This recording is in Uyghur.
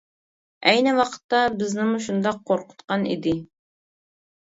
ئەينى ۋاقىتتا بىزنىمۇ شۇنداق قورقۇتقان ئىدى.